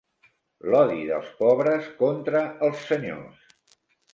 L'odi dels pobres contra els senyors.